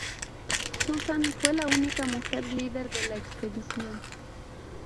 Susan fue la única mujer líder de la expedición.